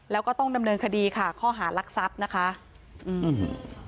แล้วก็ต้องดำเนินคดีค่ะข้อหารักทรัพย์นะคะอืม